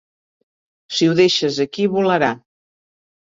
Si ho deixes aquí, volarà.